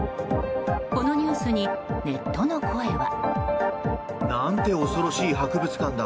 このニュースにネットの声は。